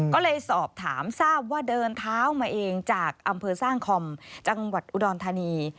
ก็เลยสอบถามทราบว่าเดินเท้ามาเองจากอำเภอสร้างคอมจังหวัดอุดรธานี